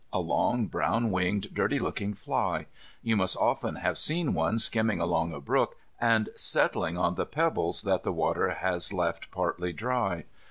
A long brown winged dirty looking fly; you must often have seen one skimming along a brook, and settling on the pebbles that the water has left partly dry.